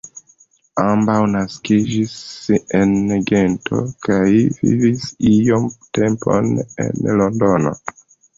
Ambaŭ naskiĝis en Gento kaj vivis iom tempon en Londono.